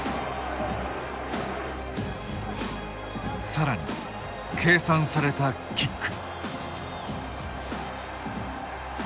さらに計算されたキック。